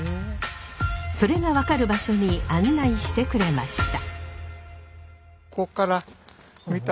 それが分かる場所に案内してくれました。